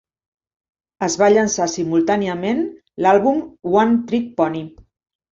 Es va llançar simultàniament l'àlbum "One-Trick Pony".